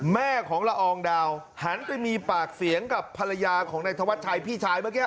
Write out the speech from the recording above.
แม่ของละอองดาวหันไปมีปากเสียงกับภรรยาของนายธวัชชัยพี่ชายเมื่อกี้